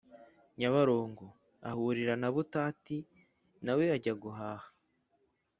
Nyabarongo, ahahurira na Butati na we ajya guhaha.